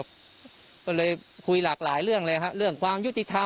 ก็เลยคุยหลากหลายเรื่องเลยฮะเรื่องความยุติธรรม